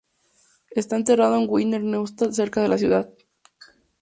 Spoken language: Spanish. Está enterrado en Wiener Neustadt, cerca de la ciudad.